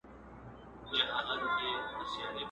چي خبر یې خپل هوښیار وزیر په ځان کړ؛